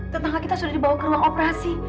tetangga kita sudah dibawa ke ruang operasi